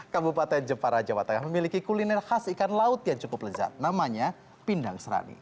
kabupaten jepara jawa tengah memiliki kuliner khas ikan laut yang cukup lezat namanya pindang serani